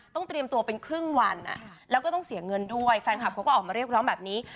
เตรียมตัวเป็นครึ่งวันแล้วก็ต้องเสียเงินด้วยแฟนคลับเขาก็ออกมาเรียกร้องแบบนี้